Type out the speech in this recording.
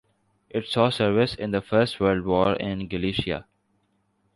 It saw service in the First World War in Galicia.